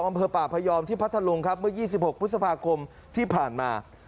อำเภอป่าพยอมที่พัทธลุงครับเมื่อ๒๖พฤษภาคมที่ผ่านมา